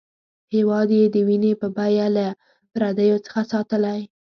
هېواد یې د وینې په بیه له پردیو څخه ساتلی.